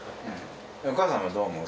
お母さんはどう思う？